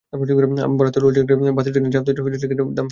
ভারতীয় রেল জানিয়েছে, বাতিল ট্রেনের যাত্রীদের টিকিটের দাম ফেরত দেওয়া হবে।